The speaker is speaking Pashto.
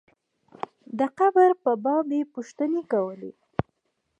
د قبر په باب یې پوښتنې کولې.